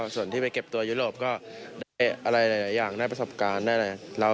ส่วนที่ไปเก็บตัวยุโรปก็ได้อะไรหลายอย่างได้ประสบการณ์ได้อะไร